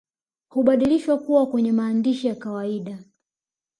Hubadilishwa kuwa kwenye maandishi ya kawaida